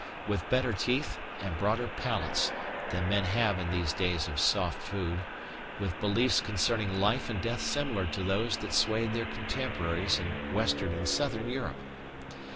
with better teeth and broader palates than men have in these days of soft food, with beliefs concerning life and death similar to those that swayed their contemporaries in Western and Southern Europe.